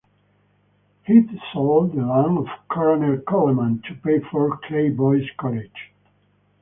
He's sold the land to Colonel Coleman to pay for Clayboy's college.